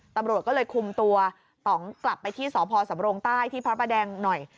ตำรวจก็เลยคุมตัวต่องกลับไปที่สพสำรงใต้ที่พระประแดงหน่อย